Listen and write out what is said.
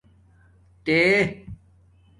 تݺ